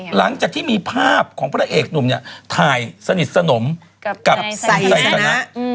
หลังจากที่มีภาพของพระเอกหนุ่มเนี่ยถ่ายสนิทสนมกับคุณไซสนะ